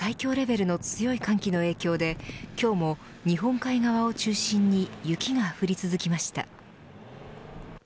今シーズン最強レベルの強い寒気の影響で今日も日本海側を中心に雪が降り続きました。